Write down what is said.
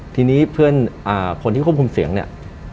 ทีนี้เพื่อนคนที่ควบคุมเสียงเนี่ย